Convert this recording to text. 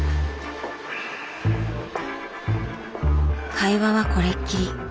会話はこれっきり。